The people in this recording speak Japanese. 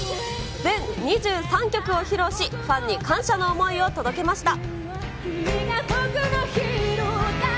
全２３曲を披露し、ファンに感謝の思いを届けました。